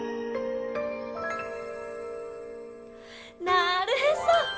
なるへそ！